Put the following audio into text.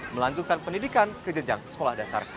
melanjutkan pendidikan ke jenjang sekolah dasar